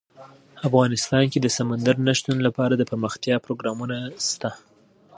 افغانستان کې د سمندر نه شتون لپاره دپرمختیا پروګرامونه شته.